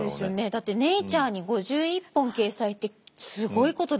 だって「ネイチャー」に５１本掲載ってすごいことですからね。